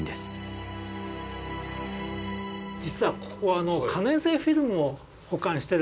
実はここ可燃性フィルムを保管してる。